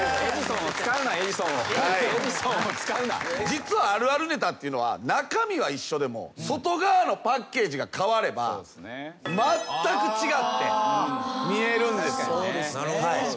実はあるあるネタっていうのは中身は一緒でも外側のパッケージが変わればまったく違って見えるんですよ。